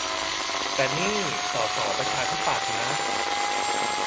แต่นี่สสประชาธิปัตย์นะ